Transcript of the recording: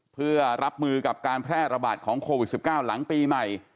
เพื่อรับมือกับการแพร่ระบาดของโควิด๑๙หลังปีใหม่